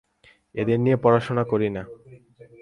এদের নিয়ে পড়াশোনা করি না।